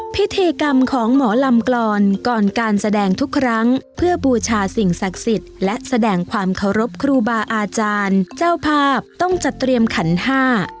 พิธีกรรมของหมอลำกรอนก่อนการแสดงทุกครั้งเพื่อบูชาสิ่งศักดิ์สิทธิ์และแสดงความเคารพครูบาอาจารย์เจ้าภาพต้องจัดเตรียมขันห้า